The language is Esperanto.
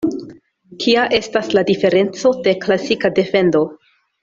Kia estas la diferenco de "klasika defendo"?